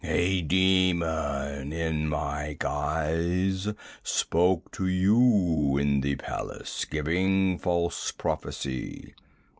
A demon in my guise spoke to you in the palace, giving false prophecy.